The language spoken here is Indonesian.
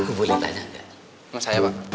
aku boleh tanya gak masaya pak